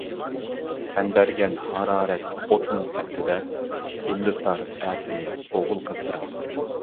سەن بەرگەن ھارارەت ئوتنىڭ تەپتىدە، ئىللىتار ئەتىنى ئوغۇل-قىزلىرىڭ.